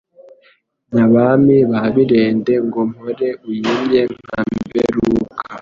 Nyabami ba Birende Ngo mpore uyimye nka Mberuka.